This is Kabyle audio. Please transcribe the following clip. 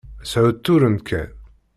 Shutturen kan.